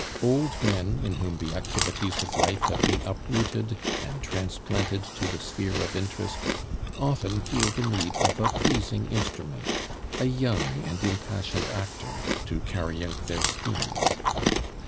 Old men in whom the activities of life have been uprooted and transplanted to the sphere of interest, often feel the need of a pleasing instrument, a young and impassioned actor, to carry out their schemes.